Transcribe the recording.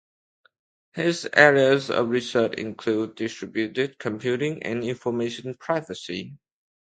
His areas of research include distributed computing and information privacy.